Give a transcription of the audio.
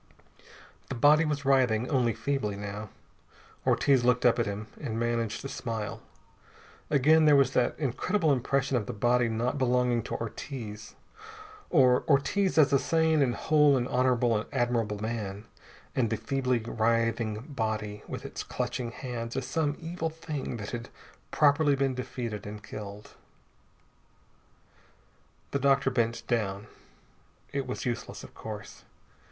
The body was writhing only feebly, now. Ortiz looked up at him, and managed a smile. Again there was that incredible impression of the body not belonging to Ortiz, or Ortiz as a sane and whole and honorable, admirable man, and the feebly writhing body with its clutching hands as some evil thing that had properly been defeated and killed. The doctor bent down. It was useless, of course.